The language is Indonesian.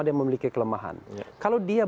dia memiliki kelemahan kalau dia